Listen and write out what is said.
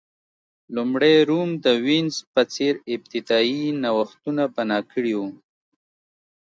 لومړی روم د وینز په څېر ابتدايي نوښتونه بنا کړي وو